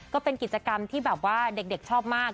ก็เป็นกิจกรรมที่เด็กชอบมาก